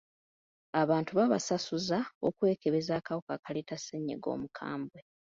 Abantu babasasuza okwekebeza akawuka akaleeta ssennyiga omukambwe.